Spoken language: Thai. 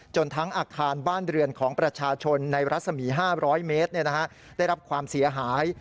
ทั้งอาคารบ้านเรือนของประชาชนในรัศมี๕๐๐เมตรได้รับความเสียหาย